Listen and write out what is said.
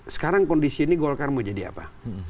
sekarang kondisi ini golkar mau jadi apa